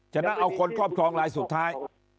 จะนั่งเอาคนครอบครองไหนสุดท้าย